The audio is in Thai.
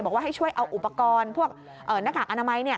บอกว่าให้ช่วยเอาอุปกรณ์พวกหน้ากากอนามัย